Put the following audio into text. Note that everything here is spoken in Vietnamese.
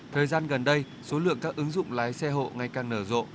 thời gian gần đây số lượng các ứng dụng lái xe hộ ngày càng nở rộ